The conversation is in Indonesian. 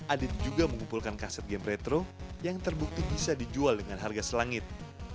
adit juga mengumpulkan kaset game retro yang terbukti bisa dijual dengan harga selangit